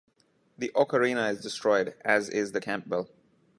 The ocarina is destroyed, as is the Campbell.